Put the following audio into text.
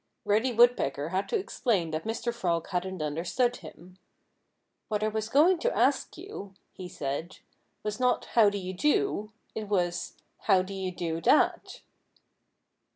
Reddy Woodpecker had to explain that Mr. Frog hadn't understood him. "What I was going to ask you," he said, "was not 'How do you do?' It was 'How do you do that?